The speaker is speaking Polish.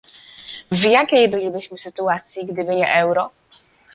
W jakiej bylibyśmy sytuacji gdyby nie euro?